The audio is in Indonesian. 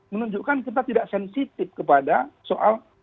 menunjukkan kita tidak sensitif kepada soal